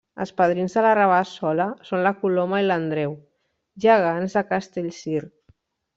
Els padrins de la Rabassola són la Coloma i l'Andreu, gegants de Castellcir.